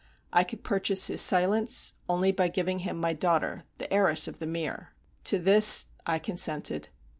I could purchase his silence only by giving him my daughter, the heiress of The Mere. To this I consented."